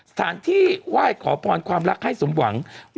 สถานที่ไหว้ขอพรความรักให้สมหวัง